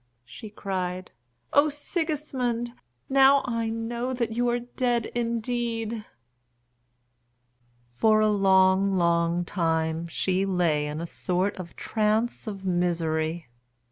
she cried. "Oh, Sigismund! Now I know that you are dead indeed." For a long, long time she lay in a sort of trance of misery.